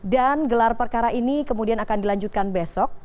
dan gelar perkara ini kemudian akan dilanjutkan besok